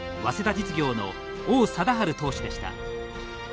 実業の王貞治投手でした。